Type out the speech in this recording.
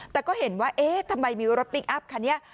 แต่ก็เห็นว่าเอ๊ะทำไมมีรถพลิกอัพคันนี้